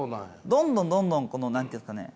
どんどんどんどんこの何て言うんですかね